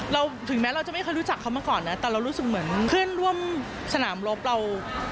ถึงแม้เราจะไม่เคยรู้จักเขามาก่อนนะแต่เรารู้สึกเหมือนเพื่อนร่วมสนามรบเรา